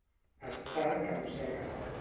Estar que mossega.